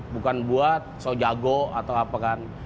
bukan buat so jago atau apa kan